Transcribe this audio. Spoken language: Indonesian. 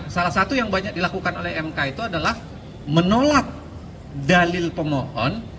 salah satu yang banyak dilakukan oleh mk itu adalah menolak dalil pemohon